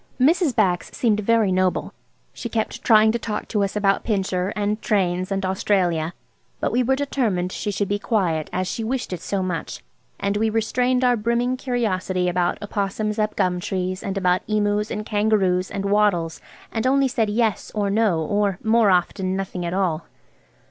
Mrs. Bax seemed very noble. She kept trying to talk to us about Pincher, and trains and Australia, but we were determined she should be quiet, as she wished it so much, and we restrained our brimming curiosity about opossums up gum trees, and about emus and kangaroos and wattles and only said "Yes" or "No," or, more often, nothing at all.